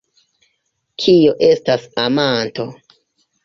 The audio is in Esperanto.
Kio estas amanto?